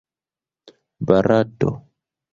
barato